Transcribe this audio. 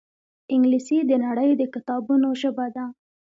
انګلیسي د نړۍ د کتابونو ژبه ده